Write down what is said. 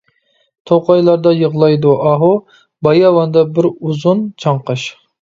توقايلاردا يىغلايدۇ ئاھۇ، باياۋاندا بىر ئۇزۇن چاڭقاش.